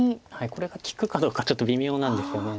これが利くかどうかちょっと微妙なんですよね。